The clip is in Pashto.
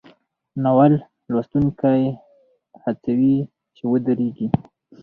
ناول لوستونکی هڅوي چې ودریږي.